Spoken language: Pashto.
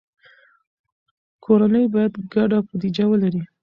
کورنۍ باید ګډه بودیجه ولري.